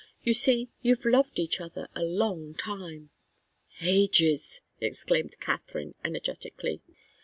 "You see, you've loved each other a long time " "Ages!" exclaimed Katharine, energetically.